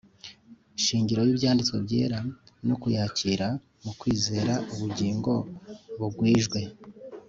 shingiro y'Ibyanditswe Byera no kuyakira mu kwizeraUbugingo Bugwijwe,